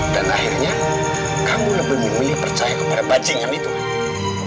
dan akhirnya kamu lebih milih percaya kepada bajingan itu kan